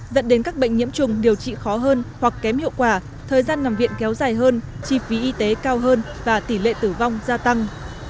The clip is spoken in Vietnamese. dẫn đến các bệnh nhiễm trùng điều trị khó hơn hoặc kém hiệu quả thời gian nằm viện kéo dài hơn chi phí y tế cao hơn và tỷ lệ tử vong gia tăng